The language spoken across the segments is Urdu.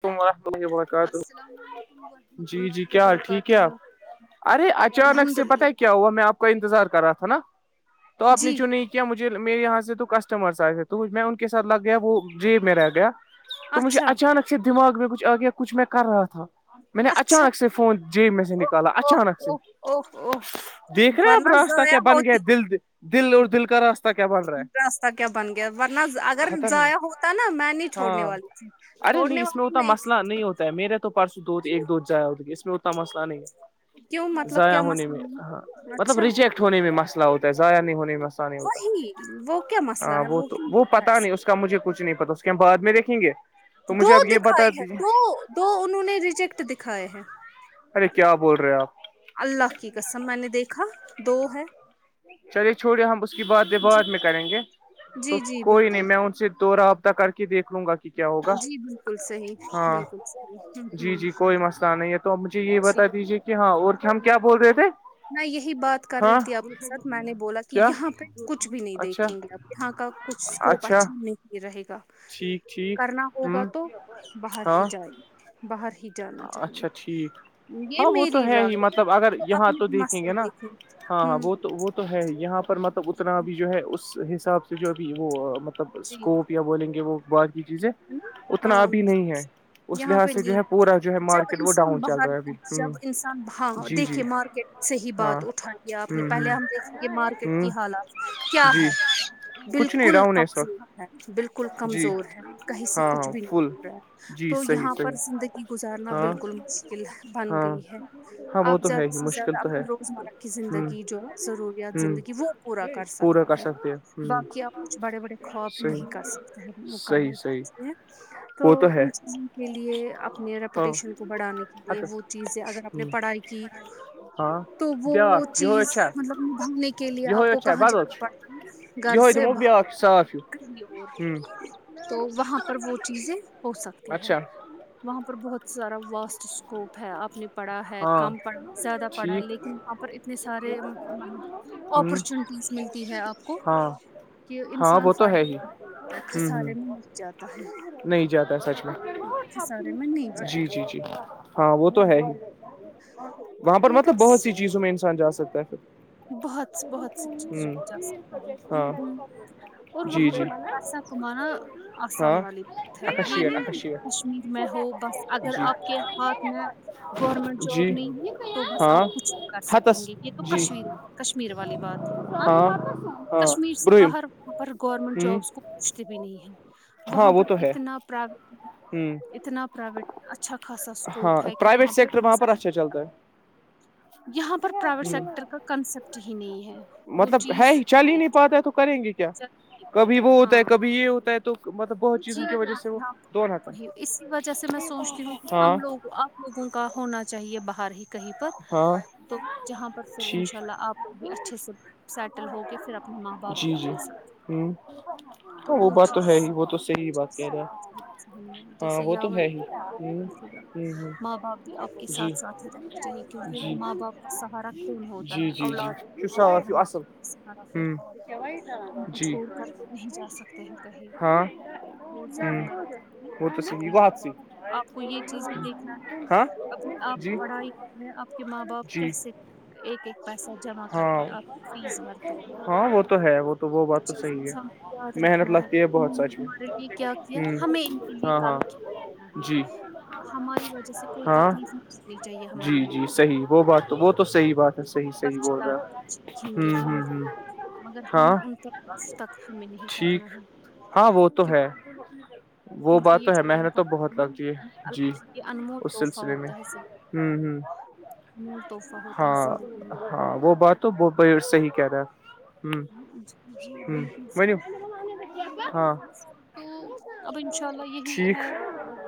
ت لگ بہت السلام علیکم ورحمۃ اللہ کیا حال ٹھیک ہے وبرکاتہ آپ ارے اچانک الحمد سے پتا للہ کیا ہوا میں آپ کا انتظار کر رہا تھا نا تو آپ جی نے چوں نہیں کیا کیا مجھے میرے یہاں سے تو کسٹمرس آئے تھے تو میں ان کے ساتھ لگ گیا وہ جیب میں رہ گیا تو مجھے اچھا اچانک سے دماغ میں کچھ آ گیا کچھ میں کر رہا تھا میں نے اچھا اچانک سے فون جی میں سے او نکالا او اچانک سے او او او دیکھ رہے اب ورنہ راستہ ضائع کیا بن گیا ہے ہوتی دل دل اور دل کا راستہ کیا بن رہا ہے راستہ کیا بن گیا ورنہ اگر خطرناک ضائع ہوتا نا میں نہیں چھوڑنے ہاں والی تھی ارے نہیں چھوڑنے اس میں والی اتنا مسئلہ تھی نہیں ہوتا ہے میرے تو پرسوں دو کیوں ایک دو جایا ہو اس میں اتنا مسئلہ نہیں کیوں ہے مطلب ضائع کیا ہونے مسئلہ میں ہاں نہیں مطلب اچھا ریجیکٹ ہونے میں مسئلہ ہوتا ہے ضائع نہیں ہونے میں مسئلہ نہیں ہوتا وہی وہ کیا مسئلہ ہاں ہے وہ تو کیوں وہ ہوتا ہے پتا نہیں ایسے اس مجھے کچھ نہیں پتا اس کے ہم بد میں دیکھیں گے تو دو مجھے آپ یہ بتا دکھائی ہے دیجیے دو دو انہوں نے ریجیکٹ دکھائے ہیں ارے کیا بول رہے آپ اللہ کی قسم میں نے دیکھا دو ہے چلیے چھڑے ہم اس کی بعد جی بعد میں کریں گے تو جی جی کوئی نہیں بالکل میں ان سے دو رابطہ کر کے دیکھ لوں گا کہ کیا ہوگا جی بالکل صحیح ہاں بالکل صحیح ہ جی جی ہ کوئی مسئلہ نہیں ہے تو مجھے یہ جی بتا دیجیے کہ ہاں اور کیا ہم کیا بول رہے تھے میں یہی بات کر رہی ہاں تھی آپ کے ساتھ میں نے بولا کہ کیا یہاں پہ کچھ بھی نہیں اچھا دیکھیں گے آپ یہاں کا کچھ اسکوپ اچھا نہیں رہے گا ٹھیک ٹھیک کرنا ہ ہوگا تو باہر ہی ہاں جائے گ باہر ہی جانا چاہیے اچھا ٹھیک یہ ہاں وہ تو میری ہے ہی رائے مطلب اگر یہاں ہاں اپنے تو بھی دیکھیں گے مسئلے نا ہاں ہ ہاں وہ تو وہ تو ہے یہاں پر مطلب اتنا اب جو ہے اس حساب سے جو ابھی وہ مطلب جی ہے اسکوپ بولیں گے وہ باد کی چیزیں نا اتنا ہاں ابھی نہیں ہے اس یہاں پہ لحاظ سے جو نہیں ہے پورا جو ہے جب مارکیٹ وہ انسان ڈاؤن چل باہر رہا ہے ابھی ہ جب انساناں جی جی دیکھے مارکیٹ سے ہی ہاں بات اٹھائے آپ نے ہ پہلے ہم دیکھیں گے ہ مارکیٹ ہ کی حالات کیا جی ہے کچھ نہیں بالکل ڈاؤن ہے اس کمز وقت بالکل جی کمزور ہے کہیں سے ہاں کچھ ہاں بھی فل نہیں ہو رہا ہے جی تو صحیح یہاں پر صحیح زندگی گزارنا ہاں بالکل مشکل بن ہاں گئی ہے ہاں وہ آپ تو ہے زیادہ ہی سے زیادہ مشکل تو ہے اپپنی روزمرہ ہ زندگی جو ہے ضروریات ہ زندگی وہ پورا کر پورا سکتے کر ہیں باقی ہ آپ کچھ بڑے بڑے خواب صحیح نہیں کر سکتے ہیں صحیح مکمل صحیح ح تو وہ ہے ان چیزوں کے لیے آپ اپنے ہاں ریپوٹیشن کو بڑھانے کے لیے ہتس وہ چیزیں اگر اپنے پڑھائی کی ہاں تو وہ بیٛاکھ یِہوے چیز چھا مطلب نبھانے کے لیے آپ یِہوے کو چھا کہاں بدل جانا چھُ پڑتا ہے گھر یِہوے سے دِمو بہ بیٛاکھ صاف ہیٛوٗ ہوں وہاں پر وہ چیزیں ہو سکتی ہے اچھا وہاں پر بہت سارا واسٹ اسکوپ ہے اپنے پڑھا ہے ہاں کم پڑا زیادہ پڑھا ہے ٹھیک لیکن وہاں پر اتنے سارے مطلب ہوں اپرچونیٹیز ملتی ہے آپ کو ہاں کہ ہاں انسان وہ تو ہے ہی فائدہہتا ہے ہوں ہوں خھسارے میں مچ جاتا ہے نہیں جاتا سچ میں ہاں خسارے میں نہیں جائے جی گا جی جی ہاں وہ تو ہے ہی وہاں پر تو مطلب بس بہت سی چیزوں میں انسان جا سکتا ہے پھر بہت بہت سی چیزیں ہوں بھی جا سکتا ہے ہ ہاں ہ اور جی وہاں پر جی پیسہ کمانا آسان ہاں والی بات ہے یہ اکشیٹ نہیں کہ اکشیٹ کشمیر میں ہو بس اگر جی آپ کے ہاتھ میں گورنمنٹ جاب جی نہیں ہے تو بس ہاں آپ کچھ کر سکیں ہتس گے یہ تو جی کشمیر کشمیر والی بات ہاں ہاں کشمیر سے برہم باہر پر گورنمنٹ ہ جابس کو کچھ بھی نہیں ہے ہاں وہاں وہ پر تو ہے اتنا ہ اتنا پرائیویٹ اچھا خاصا ہاں اسکوپ ہے کہ پرائیویٹ وہاں پہ سیکٹر پر مظاہر اچھا چلتا ہے یہاں پرائیویٹ سیکٹر ہ کا سبچ ہی نہیں ہے وہ مطلب ہے چیز چل ہی نہیں پاتا ہے تو کریں گے کیا کبھی وہ ہوتا ہاں ہے کبھی یہ ہوتا ہے تو مطلب بہت چیزوں جی کی وجہ ہاں سے وہ ہاں دون ہاتھ وہی اسی وجہ سے میں سوچتی ہوں کہ ہاں ہم لوگ آپ لوگوں کا ہونا چاہیے باہر ہی کہیں پر ہاں تو جہاں پر پھر ان شاء ٹھیک اللہ آپ بھی اچھے سے سیٹل ہو کے پھر اپنے ماں باپ بھی اپنے ساتھ ہوں رہیں، [inaudible] تو وہ چیز کہہ رہے صحی ہے ہاں جیسے وہ تو یاور ہے ہی ہ ہ ہ ماں باپ بھی آپ کے جی ساتھ ساتھ ہی رہنا چاہیے کیونکہ جی ماں باپ کا سہارا کون ہوتا جی جی اولاد جی ہوتے شاف ہیں ماں اصل باپ طارا ہ پھر ہم جی کھوڑ کر کے نہیں جا سکتے کہیں ہاں وہور ذہن نہ رکھتے ہیں ہوں وہ تو صحیح اپنے ماں بات سی باپ آپ کو یہ چیز بھی دیکھنا ہے ہاں اپنی آپ جی پڑھائی آپ کے ماں باپ جی کیسے ایک ایک پیسہ جمع کر ہاں کے آپ فیس بھرتے ہاں وہ تو ہے وہ تو وہ اس بات تو چیز صحیح ہے یاد محنت رکھنا ہے لگتی بہت نے سچ ہمارے لیے کیا کیا میں ہمیں ان کے ہ لیے ہاں ہاں کال کیا جی ہماری وجہ سے کوئی ہاں تکلیفنی چاہیے ہمارے جی ماں جی باپ صحیح وہ بات تو وہ تو صحی بات ہے وہ صحیح ہم پر صحی بول چلا رہا سیکھیں ہوں گے وہ ان کا ہوں حق ہ ہے، مگر ہم ہاں ان کا اس تکت ہمیں نہیں کرنا ٹھیک ہے ہاں وہ تو ہے وہ کیونکہ بات یہ تو ہے محنت تو بہت لگتی ہے جی انمٹ اس تحفہ سلسلے میں ہوتا ہے صرف ہوں ہوں [unintelligible] مول تحفہ ہوتا ہے زندگی ہاں وہ بات تو ب صحیح کہ تھا میں جی جی ہ بالکل ہو ہاں تو اب انشاء اللہ یہی ٹھیک ہے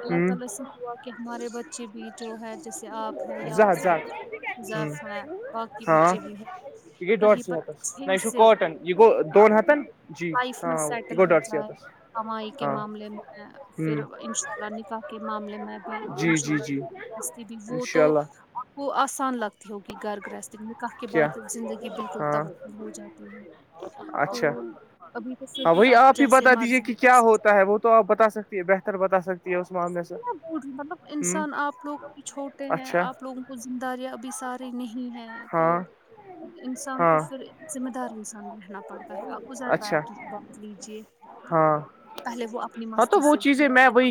ہوں اپ کے ہمارے بچے بھی جو ہے جسے اپ ہیں یا وہ زہت جانتے ہیں زہت ہ ضاف اورق کی ہاں بچے بھی ہیں یہ گٔے ڈۄڈ کہیں سی پر ہتس اچھ نہ یہ چھُ سےنی کاٹن یہِ گوٚو دۄن ہتن جی لائف میں ہاں یہِ سیٹل گوٚو ڈۄڈ سی ہو ہتس ہوائی کے ہاں معاملے میں پھر ہ ان شاء اللہ نفا کے معاملے میں میں بھی جی انشاء جی جی اللہ کرست بھی وہ انشاء تو اللہ آپ کو آسان لگتی ہوگی گھر گرہست میں کہ کے کیا بعد زندگی بالکل ہاں تب ہو جاتی ہے تو اچھا ابھی تو پھر ہاں بھی وہی آپ ہی جیسے بتا دیجیے مارجن کہ کیا سکتے ہوتا ہے وہ تو آ بتا سکتی ہے بہتر بتا سکتے کتنا دور مطلب انسان آپ لوگ ابھی چھوٹے ہیں اچھا آپ لوگ وہ زم داریاں ابھی ساری نہیں ہے [unintelligible] ہاں [inaudible] انسان کو ہاں پھر ذمہ دار انسان رہنا پڑتا ہے آپ ازر اچھا بایات بوات لیجیے ہاں پہلے وہ اپنی مستی سے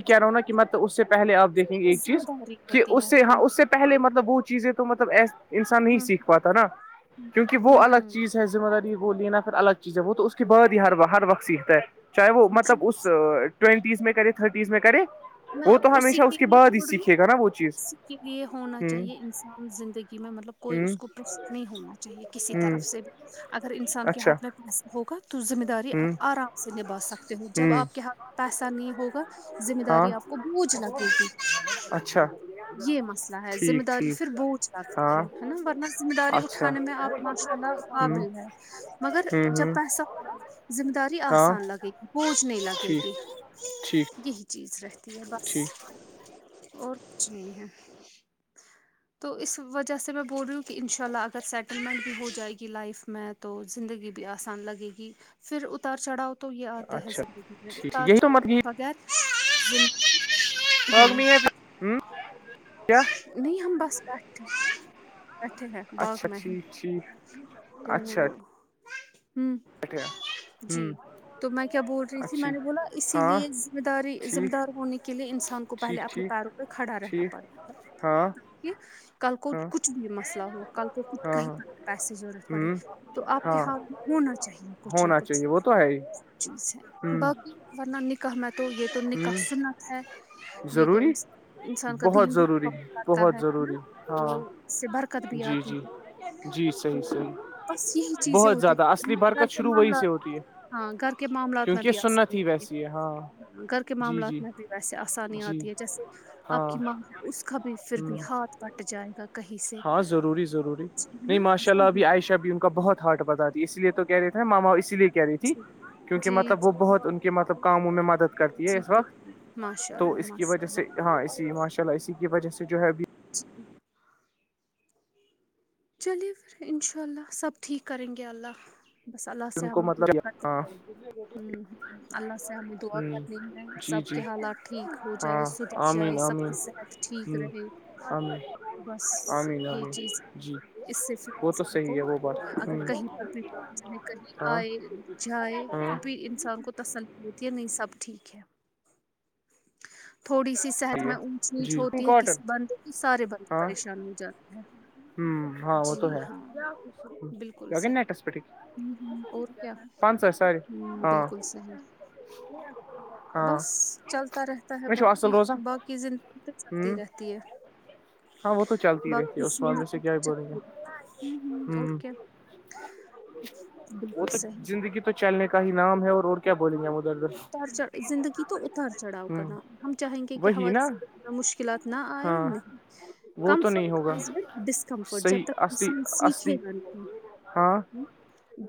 جاتی رونا تھی کی متلب اس سے پہل آپ پھر دیکھیں گے ایک ذمہ چیز داری کہ ہوتی اس ہے سے ہاں ہوں، اس سے پہلے مطلب وہ چیزیں تو مطلب ای انسان نہیں ہوں، سیکھ پاتا نا ہوں، کیونکہ وہ ہوں، الگ ہوں۔ چیز ذمہ داری ہے وہ لینا پھر الگ چیز ہے وہ تو اس کے بع ہیر ہر وت سیکھتا ہے چاہے وہ جی، مطلب اس ٹوینٹیز میں کرے تھرٹیز میں کرے میں وہ اب تو اسی ہمیشہ کے اس لیے بعد ہی بول رہی سیکھے ہوں گا نا وہ چیز اسی کے لیے ہونا چاہیے ہ انسان زندگی میں مطلب کوئی ہ اسس کوو پریفر نہیں ہونا چاہیے کسی ہوں طرف سے بھی اگر انسان کے اچھا ہاتھ میں پیسہ ہوگا تو ذمہ داری ہوں آپ آرام سے نبھا سکتے ہو جب ہوں آپ کے ہاتھ پیسہ نہیں ہوگا ذمہ ہاں داری آپ کو بوجھ لگے گی اچھا یہ مسئلہ ہے ذمہ ٹھیک داری ٹھیک پھر بوجھ ہاں نا ورنہ ذمہ داری اچھا اٹھانے میں آپ ماشاء اللہ ہوں قابل ہے مگر ہوں جب ہوں پیسہ ہوگا ذمہ داری ہاں آسان لگے گ کوچ نہیں لگے ٹھیک ٹھیک گی چیز رہتی ہے بس ٹھیک اور ک نہیں ہے تو اس وجہ سے میں بول رہی ہوں کہ انشاءاللہ اگر سیکنڈ ہو جائے گی لائف میں تو زندگی بھی آسان لگے گی پھر اتار چڑھا تو یہ آتے ہیں اچھا زندگی ٹھیک یہی تارج تو مت بغیر بغمی ہے پھر ہوں نہیں ہم بس پٹ پٹھ ہیں باغ اچھا مہم ٹھیک ٹھیک تو اچھا ہوں بیٹھے جی ہوں تو میں کیا بول رہی تھی اچھی میں نے بولا اسی ہاں لیے ذمہ داری ذمہ ٹھیک دار ہونے کے لیے انسان کو پہلے ٹھیک اپنے ٹھیک تاروں پہھڑا رہنا ٹھیک پڑتا ہے ہاں کہ کل کو ہاں کچھ بھی مسئلہ ہو کل کو کچھ ہاں کہیں پر پیسے ضرورت پڑے ہاں ہ تو آپ کے ہاں ہاتھ میں ہونا چاہیے کچھ نہ ہونا کچھ چاہیے وہ تو ہے ہی چیز ہے ہ باقی ورنہ نکاح میں تو یہ تو نکاح ہ سنت ہے یہ تو ضروری انسان بہت قدیم ضروری بھیم کرتا ہے بہت نا ضروری تو ہاں اس سے برکت بھی جی آتی جی ہے جی تو صحی صحیح [unintelligible] بس یہی چیز بہت ت زیادہ اصلی گھر برکت کے شروع وہی سے معاملات ہوتی ہے ہاں گھر کے معاملات میں کیونکہ یہ بھی سنت آسانی ہی ہو ویسی ہے ہاں ہے گھر کے جی جی معاملات میں ویسے آسانی جی آتی ہے جیسے آپ ہاں کی ماں ہے اس کا بھی پھر بھی ہ ہاتھ پٹ جائے کہیں سے ہاں ضروری ضروری جی ہے نہیں نا ماشاء اللہ وہی ابھی عائشہ بھی ان کا بہت ہارٹ بتات اس لیے تو کہہ رہے تھے ماما اس لیے کہ کہہ رہی تھی جی کیونکہ جی مطلب وہ جی بہت ان کے مطلب کاموں میں مدد کرتی ہے جی اس وقت بالکل ماشاء تو اللہ اس کی ماشاء وجہ سے اللہ ہاں اسی ماشاء اللہ اسی کی وجہ سے جو ہے ابھی جچھ چلیے پھر انشاء اللہ سب ٹھیک کریں گے اللہ بس اللہ سے ان کو ہمیں مطلب دعا کر ہاں اللہ سے ہمیں دعا ہ کرنی ہے جی سب جی کے حالات ٹھیک ہو جائے ہاں سدھر جائے آمین سب آمین کی صحت ٹھیک رہے ہ آمین بس آمین یہ آمین چیز جی اس سے پھر وہ تو انسان صحیح کو ہے وہ بات اگر کہیں پہ چے کہیں ہاں آئے جائے ہاں بھی انسان کو تستی ہے نہیں سب ٹھیک ہے تھوڑی سی صحت صحیح ہے میں اونچ نیچ جی ہوتی ہے کاٹن کسی بند تو سارے بند ہاں پریشان ہو جاتے ہیں ہاں وہ تو جی ہے ہاں بالکل صحیح لگنٹس پٹی ہوں ہوں اور کیا پانچ سو سار ہوں ہاں بالکل صحیح ہاں بس چلتا رہتا ہے میں چھو اصل باقی روزان باقی زندگی تو ہ چلتی رہتی ہے ہاں وہ تو چلتی رہتی ہے اس بیندی معاملے سے کیا ہی بولیں گے ہ اور کیا وہ بالکل تو صحیح زندگی تو چلنے کا ہی نام ہے اور اور کیا بولیں گے ہم ادھر ادھر اتار چ زندگی تو اتار چڑھا ہ کر ہم چاہیں گے کہ وہی ہمار نا انا مشکلات نہ آئے ہاں نہیں وہ تو کمفرٹ نہیں ہوگا کمز وھ ڈسکمفرٹ جب صحیح تک اصلی انسان سیکھے اصلی گا ہاں ہم-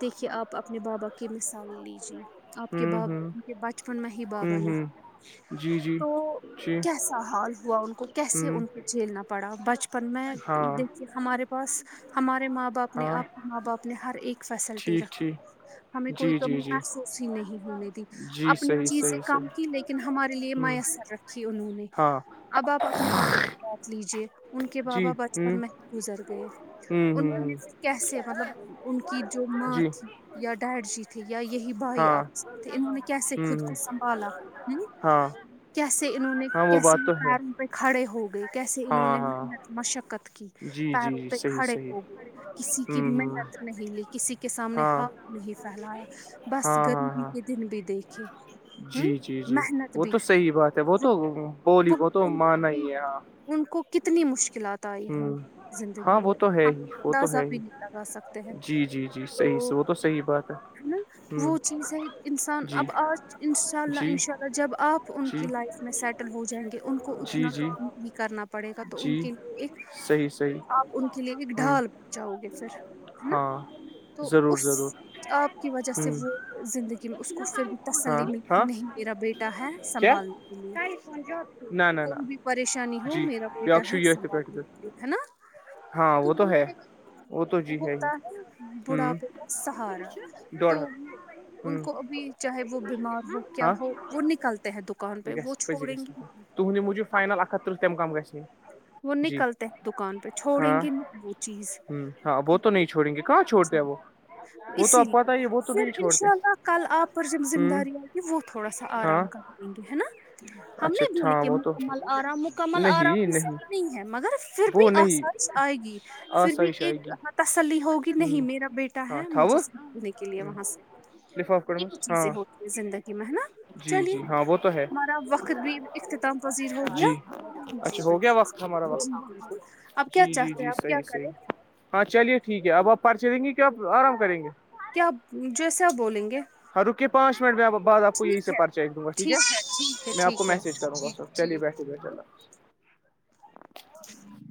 دیکھیے آپ اپنے بابا کی مثال لیجیے آپ کے ہوں بابا ہوں ان کے بچپن میں ہی بابا ہوں نے ہوں جی جی تو جی کیسا حال ہوا ان کو کیسے ہوں ان کو جھیلنا پڑا بچپن پر میں ہاں دیکھیے ہمارے پاس ہمارے ماں باپ نے ہاں آپ کے ماں باپ نے ہر ایک فیسلٹی ٹھیک رکھ ٹھیک ہمیں کوئی جی کمی جی جی محسوس ہی نہیں ہونے دی جی اپنی صحیح چیزیں صحیح کم کی صحیح لیکن ہمارے لیے ہ میسر رکھی انہوں نے ہاں اب آپ اپنے بپ سے بات لیجے ان کے جی بابا ہ بچپن مح گزر گئے ہ ان ہ ہ کیسے مطلب ان کی جو ماں جی تھی یا ڈیڈ جی تھی یا یہی بھائی ہاں آپس اننہوں نے کیسے ہ خود کو ہ سنبھالا ہاں کیسے انہوں نے ہاں وہ کیسے بات تو ہے پیروں پہ کھڑے ہو گئے کیسے ہاں انہوں نے ہاں محنت مشقت کی جی جی پیروں جی پہ صحیح کھڑے صحیح ہو گئے کسی کی ہوں ہ محنت نہیں لی کسی کے سامنے ہاں ہاتھ نہیں پھیلایا بس ہاں ہاں گرمی ہاں کے دن بھی دیکھیں جی جی جی وہ تو صحی بات ہے وہ رو- تو بولی وہ بہت- تو ان, مانا ان, ہی ہے ہاں ان کو کتنی مشکلات آئی ہوںی ہوں زندگی ہاں وہ میں تو ہے ہم ہی کو وہ تو اندازہ ہے بھی ہی نہیں لگا سکتے ہیں جی جی جی تو صحیح وہ صحیح بات ہے نا ہوں وہ چیز ہے انسان جی اب آج ان شاء اللہ جی ان شاء اللہ جب آپ ان کی جی لائف میں سیٹل ہو جائیں گے ان کو جی اتنا جی کام نہیں کرنا پڑ پڑے گا تو ان جی کے ایک صحیح صحیح آپ ان کے لیے ایک ہوں ڈھال جاؤ گے پھر ہے نا ہاں تو ضرور ضرور اس آپ کی وجہ سے ہوں وہ زندگی میں اس کو پھر بھی ہاں تسلی میں ہاں نہیں میرا بیٹا ہے کیا سنبھالنے کے لیے نہ نہ نہ کوئی بھی پریشانی ہو جی میرا بیٹا بیاکھ چھُ ہے ییٚتھۍ پٮ۪ٹھ سوال تہِ دہے نا ہاں وہ تو ہے وہ تو جی ہوتا ہی ہے بڑھاپے ہ کا سہارا ڈوڑ تو ہتھ ہ ان کو ابھی چاہے وہ بیمار ہو کیا ہاں ہو وہ نکلتے ہیں دکان پہ وہ چھوڑیں گی تہند مجبائنلک ہ تہ تم کم گنے وہ نکلتے دکان پہ چھوڑیں ہاں گے وہ چیز ہاں وہ تو نہیں جی۔ چھوڑیں گے کہاں چھوڑتے ہیں وہ وہ تو اسی آپ پت لیے ہی ہے وہ تو پھر نہیں ان چھوڑتے شاء اللہ کل آپ پر جب ذمہ ہ داری آئے گی وہ تھوڑا سا ہاں آرام کر یں گے ہے نا ہم اچھا نہیں بوولے ہاں کہ وہ تو مکمل آرام مکمل آرام نہیں ک نہیں سے ہے مگر پھر بھی وہ نہیں آسائش آئے گی پھر بھی آسائش آئے ایک گی تسلی ہوگی ہ نہیں میرا بیٹا ٹا ہاں ہے مجھے تھاو س پنے کے لیے وہاں سے لفاف کڑمس یہ ہاں چیزیں ہوتی زندگی میں نا جی جی ہاں وہ تو ہے چلیےار اختتام پذیر ہو گیا جی جی اچھا ہو گیا بالکل وقت صحیح ہمارا جی وقت بالکل آپ کیا جی جی چاہتے ہیں جی آپ کیا صحیح کریں صحیح ہاں چلیے ٹھیک ہے اب آپ پرچے دیں گے کہ آپ آرام کریں گے کیاپ جیسے آپ بولیں گے ہاں رکے پانچ منٹ میں بد آپ کو یہیں ٹھیک سے ہے پرچہ دوں گا ٹھیک ہے ٹھیک ہے میں آپ کو ٹھیک ہے میسج کروں گا سر چلیے بیٹھے اللہ ہ [unintelligible]